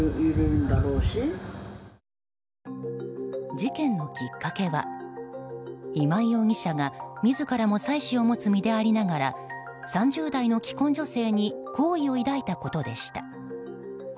事件のきっかけは今井容疑者が自らも妻子を持つ身でありながら３０代の既婚女性に好意を抱いたことでした。